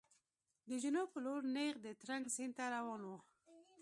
د جنوب په لور نېغ د ترنک سیند ته روان و.